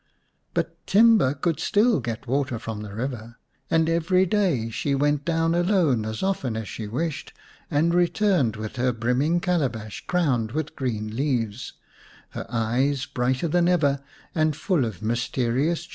But Timba could still get water from the river, and every day she went down alone as often as she wished and returned with her brimming calabash crowned with green leaves, her eyes brighter than ever and full of mysterious